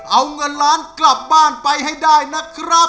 เอาเงินล้านกลับบ้านไปให้ได้นะครับ